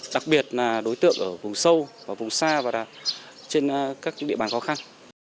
đặc biệt là đối tượng ở vùng sâu vùng xa và trên các địa bàn khó khăn